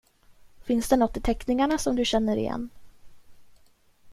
Finns det nåt i teckningarna som du känner igen?